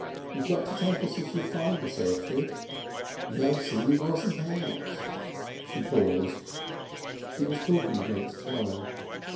You got to take us as you find us, Elfrid. Mercy we wasn't all out." She paused. She was talking against time.